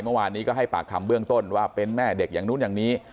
เมื่อวานนี้ก็ให้ปากคำเบื้องต้นว่าเป็นแม่เด็กอย่างนู้นอย่างนี้